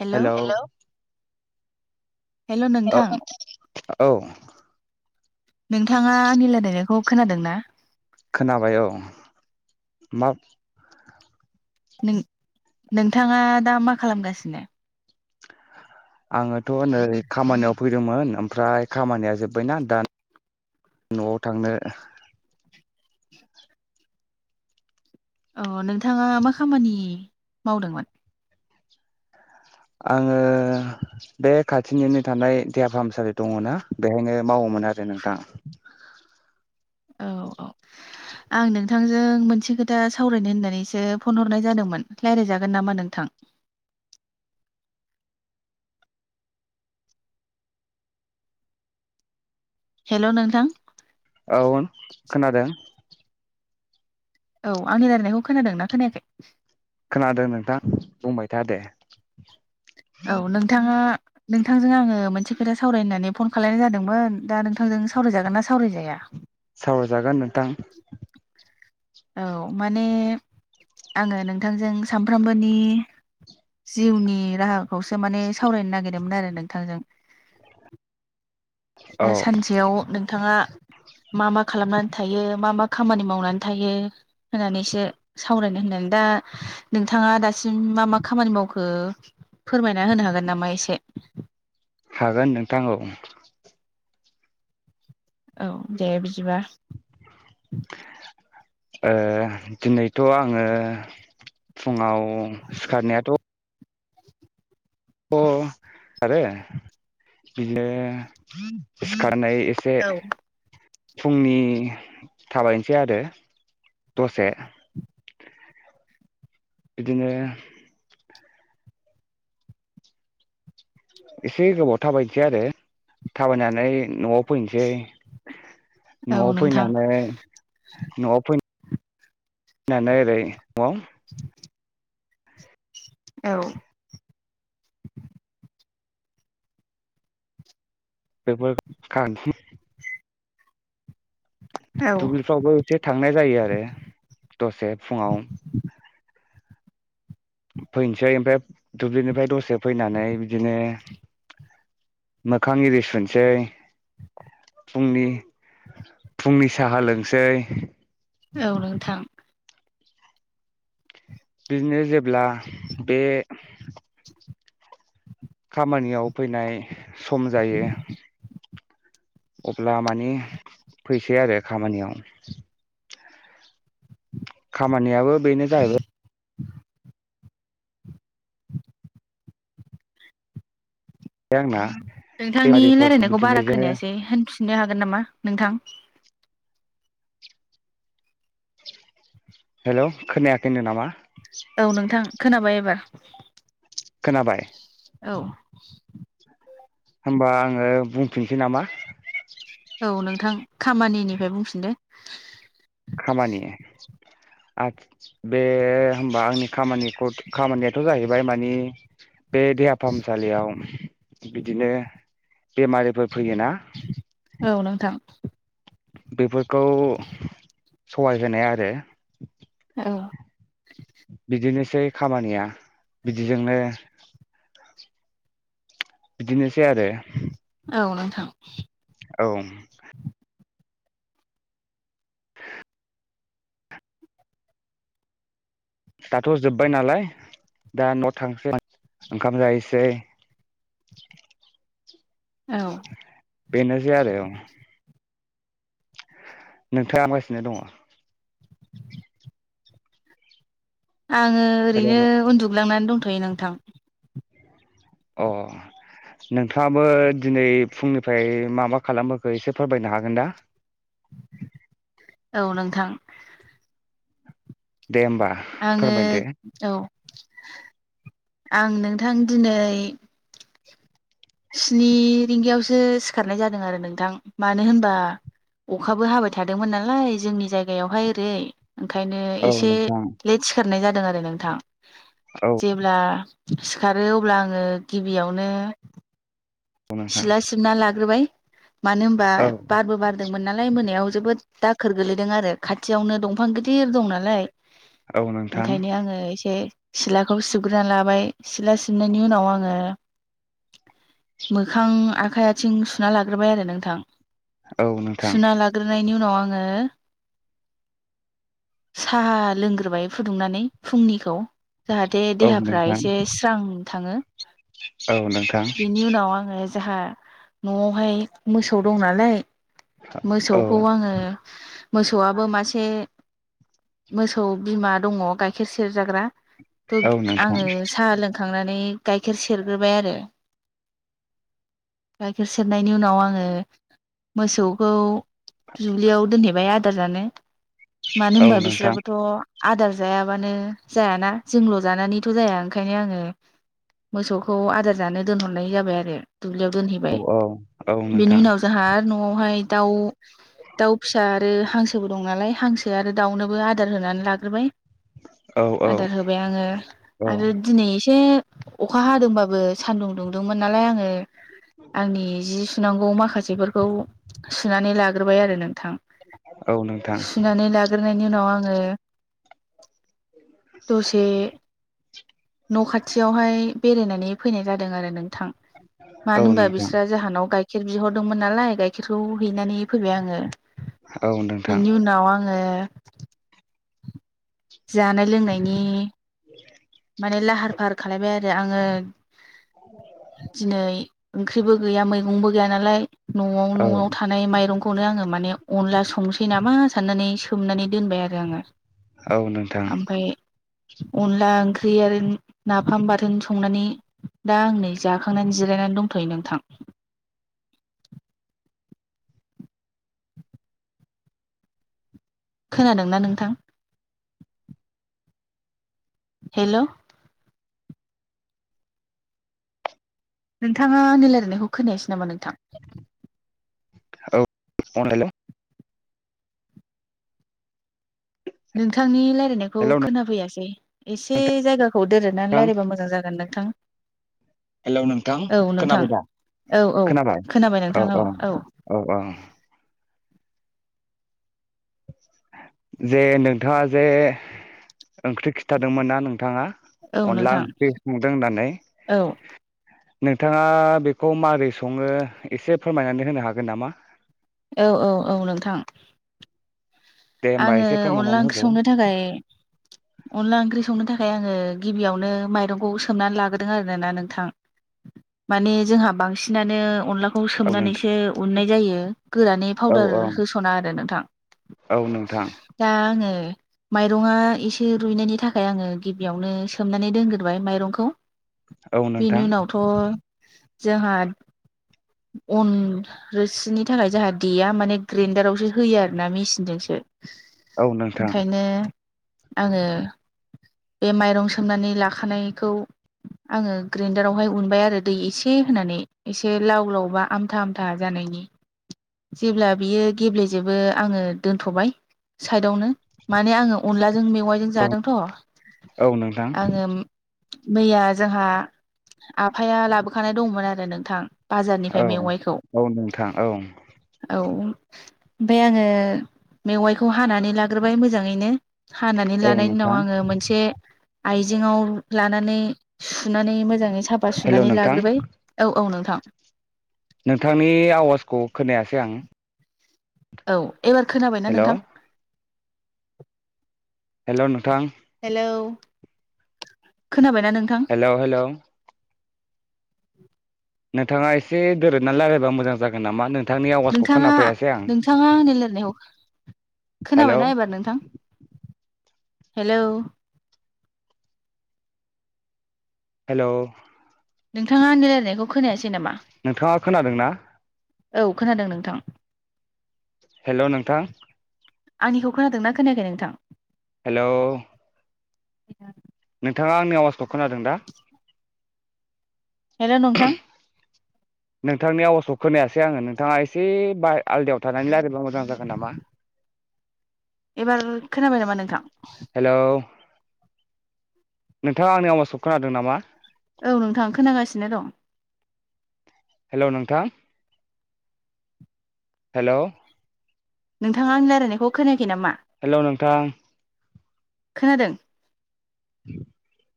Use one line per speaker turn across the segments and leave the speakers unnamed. Hello
hello
hello
औ
नोंथां
औ
नोंथाङा आंनि लायरायनायखौ खोनादों ना
खोनाबाय औ मा
नों-नोंथाङा दा मा खालामगासिनो
आङोथ' नै खामानियाव फैदोंमोन ओमफ्राय खामानिया जोबबायना दा न'आव थांनो
अ नोंथाङा मा खामानि मावदोंमोन
आङो बे खाथिनिनो थानाय देहा फाहामसालि दङना बेहायनो मावोमोन आरो नोंथां [inaudible]
औ औ आं नोंथांजों मोनसे खोथा सावरायनो होननानैसो फन हरनाय जादोंमोन लायरायजागोन नामा नोंथां हेल' नोंथां
औ खोनादों
औ आंनि रायरायनायखौ खोनादों ना खोनायाखै
खोनादों नोंथां बुंबाय था दे
औ नोंथाङा नोंथांजों आङो मोनसे खोथा सावरायनो होननानै फन खालायनाय जादोंमोन दा नोंथांजों सावरायजागोन ना सावरायजाया
सावरायजागोन नोंथां
औ माने आङो नोंथांजों सानफ्रामबोनि जिउनि राहा खौसो माने सावरायनो नागिरदोंमोन आरो नोंथांजों
औ
दा सानसेयाव नोंथाङा मा मा खालामनानै थायो मा मा खामानि मावनानै थायो होननानैसो सावरायनो होननानै दा नोंथाङा दासिम मा मा खामानि मावखो फोरमायना होनो हागोन नामा एसे
हागोन नोंथां औ
औ दे बिदिबा
ओ दिनैथ' आङो फुङाव सिखारनायाथ' अ सिखारो बिदिनो सिखार नानै एसे
औ
फुंनि थाबायनोसै आरो दसे [inaudible] बिदिनो एसे गोबाव थाबायनसै आरो थाबायनानै न'आव फैनसै
औ
न'आव
नोंथां
फैनानै न'आव फै नै ओरै न'आव
[inaudible] औ [inaudible]
बेफोर [unintelligible]
औ
दुब्लिफ्रावबो एसे थांनाय जायो आरो दसे फुङाव फैनसै ओमफ्राय दुब्लिनिफ्राय दसे फैनानै बिदिनो मोखां इरि सुनसै फुंनि फुंनि साहा लोंसै
औ नोंथां
बिदिनो जेब्ला बे खामानियाव फैनाय सम जायो अब्ला मानि फैसै आरो खामानियाव खामानियाबो बेनो जाहैबाय आंना
नोंथांनि
बेफारिफोरखौ
रायलायनायखौ
बिदिनो
बारा
बिदिनो
खोनायासै होनफिननो हागोन नामा नोंथां?
हेल' खोनायाखैनो नामा?
औ नोंथां खोनाबाय एबार [inaudible]
खोनाबाय?
औ
होमबा आङो बुंफिनसै नामा?
औ नोंथां खामानिनिफ्राय बुंफिनदो
खामानि ओ बे होनबा आंनि खामानि खामानियाथ' जाहैबाय मानि बे देहा फाहामसालियाव बिदिनो बेमारिफोर फैयोना
औ नोंथां
बेफोर खौ सहाय होनाय आरो
औ
बिदिनो सै खामानिया बिदिजोंनो बिदिनोसै आरो
औ नोंथां
औ दाथ' जोब्बाय नालाय दा न' थांसै ओंखाम जाहैसै
औ
बेनोसै आरो नोंथाङा‌ खामगासिनो दङ?
आङो ओरैनो
हेल'
उन्दु ग्लांनानै दंथ'यो नोंथां
अह नोंथाङाबो दिनै फुंनिफ्राय मा मा खालामबोखो एसे फोरमायनो हागोन दा?
औ नोंथां
दे होमबा
आङो
फोरमायदो
औ आं नोंथां दिनै स्नि रिंगायावसो सिखारनाय जादों आरो नोंथां मानो होनबा अखाबो हाबाय थादोंमोन नालाय जोंनि जायगायावहाय ओरै ओंखायनो
औ
एसे
नोंथां
लेट सिखाथ नाय जादों आरो नोंथां
औ
जेब्ला सिखारो अब्ला आङो गिबियावनो
नोंथां
सिला सिबना लाग्रोबाय मानो होनबा
औ
बारबो बारदों मोन नालाय मोनायाव जोबोद दाखोर गोलैदों आरो खाथियावनो दंफां गिदिर दं नालाय
औ नोंथां
ओंखायनो आङो एसे सिथलाखौ सिग्रोना लाबाय सिला सिबनायनि उनाव आङो मोखां आखाइ आथिं सुना लाग्रोबाय आरो नोंथां
औ नोंथां
सुना लाग्रोनायनि उनाव आं ङो साहा लोंग्रोबाय फुदुंनानै फुंनिखौ जाहाथे
औ
देहाफ्रा
नोंथां
एसे स्रां थाङो
औ नोंथां
बेनि उनाव आङो जाहा न'आवहाय मोसौ दं नालाय
औ
मोसौखौ आङो मोसौआबो मासे मोसौ बिमा दङ गाइखेर सेरजाग्रा तुद
औ नोंथां
आङो साहा लोंखां नानै गाइखेर सेरग्रोबाय आरो गाइखेर सेरनायनि उनाव आङो मोसौखौ दुब्लियाव दोनहैबाय आदार जानो मानो
औ
होनबा
नोंथां
बिसोराबोथ' आदार जायाबानो जायाना जोंल' जानानैथ' जाया ओंखायनो आङो मोसौखौ आदार जानो दोनहरनाय जाबाय आरो दुब्लियाव दोनहैबाय
औ औ औ
बेनि
नोंथां
उनाव जोंहा आरो न'आवहाय दाउ दाउ फिसा आरो हांसोबो दं नालाय हांसो आरो दाउनोबो आदार होनानै लाग्रोबाय
औ औ
आदार होबाय आङो
औ
आरो दिनै एसे अखा हादोंबाबो सानदुं दुंदोंमोन नालाय आङो आंनि जि सुु नांगौ माखासेफोरखौ सुनानै लाग्रोबाय आरो नों थां
औ नोंथां
सुनानै लाग्रो नायनि उनाव आङो दसे न' खाथियावहाय बेरायनानै फैनाय जादों आरो नोंथां
औ
मानो होनबा
नोंथां
बिसोर जाहानाव गाय खेर बिहरदोंमोन नालाय गाइखेरखौ हैनानै फैबाय आङो
औ नोंथां
बेनि उनाव आङो जानाय लोंनायनि
[inaudible]
माने लाहार फाहार खालायबाय आरो आङो दिनै ओंख्रिबो गैया मैगंबो गैया नालाय। न'वाव
औ
न'वाव थानाय माइरं खौनो आङो माने अनला संनोसै नामा साननानै सोमनानै दोनबाय आरो आङो।
औ नोंथां।
ओमफ्राय अनला ओं ख्रि आरो नाफाम बाथोन संनानै दा आं नै जाखांनानै जिरायनानै दंथ'यो नोंथां। खोनादोंना नोंथां? हेल' नोंथाङा आंनि रायलायनायखौ खोनायासै नामा नोंथां?
औ हेल'।
नोंथांनि ला नायखौ
हेल'
खोनाफैयासै एसे जायगाखौ दोरोनानै रायलायबा मोजां जागोन नोंथां।
हेलौ नोंथां
औ नोंथां
खोनाबाय दा खोनाबाय औ औ औ औ। जे नोंथाङा जे ओंख्रि खिथादोंमोनना नोंथाङा
औ
अनला
नोंथां
ओंख्रि संदों होननानै
औ
नोंथाङा बेखौ मारै सङो एसे फोरमायनानै होनो हागोन नामा?
औ औ औ नोंथां।
दे होमबा
आङो
एसे
अनला
फोरमायनानै
ओंख्रि
होदो
संनो थाखाय अनला ओंख्रि संनो थाखाय। आङो गिबियावनो माइरंखौ सोमनानै लाग्रोदों आरो ना नोंथां माने जोंहा बांसिनानो अनलाखौ
औ नोंथां
सोमनानैसो उननाय जायो। गोरानै
औ
फाउदार
औ
होस'ना आरो नोंथां।
औ नोंथां
दा आङो माइरंआ इसे रुइनायनि थाखाय आङो गिबियावनो सोमनानै दोनग्रोबाय माइरंखौ।
औ
बिनि
नोंथां
उनावथ' जोहा अन रोसिनि थाखाय जाहा देया माने ग्रेन्डारावसो होयो आरो ना मेसिनजोंसो।
औ नोंथां
ओंखायनो आङो बे माइरं सोमनानै लाखानायखौ आङो ग्राइन्दारावहाय उनबाय आरो दै एसे होनानै एसे लाव लावबा आमथा आमथा जानायनि जेब्ला बियो गेब्लेजोबो आङो दोनथ'बाय। साइदावनो माने आङो अनला जों मेवाइजों
औ
जादोंथ'
औ नोंथां
आङो। मैया जोंहा आफाया लाबोखानाय दंमोन आरो नोंथां। बाजारनिफ्राय
औ
मेवाइखौ
औ नोंथां औ।
ओमफाय आङो मेवाइखौ हानानै लाग्रोबाय मोजाङैनो हानानै
औ
लानायनि उनाव
नोंथां
आङो मोनसे आइजेङाव लानानै सुनानै मोजाङै साफा
हेल'
सुनानै
नोंथां
लाग्रोबाय औ औ नोंथां
नोंथांनि आवाजखौ खोनायासै आं
औ एबार खोनाबायना नोंथां?
हेल' हेल' नोंथां
हेलौ खोनाबायना नोंथां?
हेल' हेल'
[inaudible]
नोंथाङा एसे दोरोदनानै रायलायबा मोजां जागोन नामा नों
नोंथाङा नोंथाङा आंनि रायलानायखौ
हेलौ
खोनाबायना एबार नोंथां हेलौ
हेलौ
नोंथाङा आंनि रायनायखौ खोनायासै नामा?
नोंथाङा खोनादोंना?
औ खोनादों नोंथां।
हेल' नोंथां
आंनिखौ खोनादोंना खोनायाखै नोंथां?
हेलौ
[inaudible]
नोंथाङा आंनि आवाजखौ खोनादों ना
हेलौ नोंथां
नोंथांनि आवाजखौ खोनायासै आङो नोंथाङा एसे बा आलदायाव थानानै रायलायबा मोजां जागोन नामा
एबार खोनाबाय नामा नोंथां?
हेलौ नोंथाङा आंनि आवाजखौ खोनादों नामा?
औ नोंथां खोनागासिनो दं।
हेलौ नोंथां हेलौ
नोंथाङा आंनि रायलायनायखौ खोनायाखै नामा
हेलौ नोंथां
खोनादों।
[inaudible]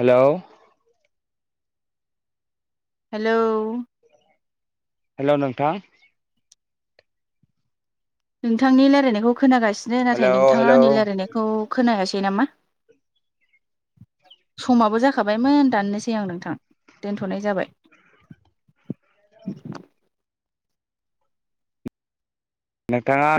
हेलौ
हेलौ
हेलौ नोंथां
[unintelligible] नोंथांनि रायलायनायखौ खोनागासिनो नाथाय
हेलौ
नोंथाङा
हेलौ
आंनि रायलायनायखौ खोनायासै नामा समाबो जाखाबायमोन दाननोसै आं नोंथां दोनथ'नाय जाबाय
नोंथाङा